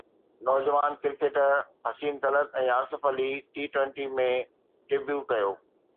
نوجوان cricketer Hussain Talat ۽ Asif Ali T twenty ۾ debut ڪيو